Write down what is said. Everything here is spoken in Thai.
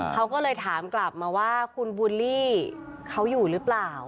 เขาก็เลยถามกลับมาว่าคุณบูลลี่เขาอยู่หรือเปล่า